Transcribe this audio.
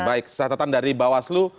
baik kesahatan dari bawaslu